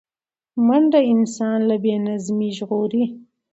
منډه انسان له بې نظمۍ ژغوري